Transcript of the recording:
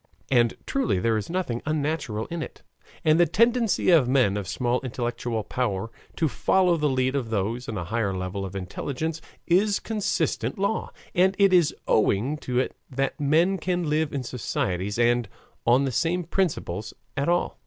And truly there is nothing unnatural in it, and the tendency of men of small intellectual power to follow the lead of those on a higher level of intelligence is a constant law, and it is owing to it that men can live in societies and on the same principles at all.